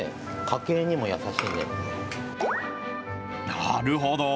なるほど。